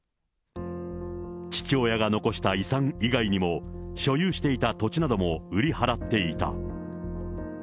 父親が残した遺産以外にも、所有していた土地なども売り払っていた。